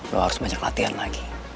bahwa harus banyak latihan lagi